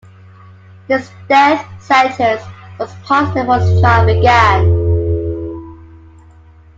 His death sentence was passed before his trial began.